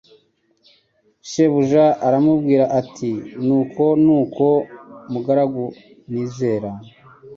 shebuja aramubwira ati nuko nuko mugaragu nizera